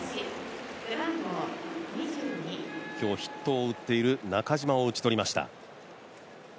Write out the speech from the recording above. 今日ヒットを打っている中島を打ち取りました。